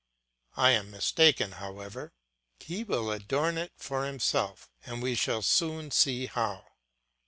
I am mistaken, however; he will ornament it for himself, and we shall soon see how.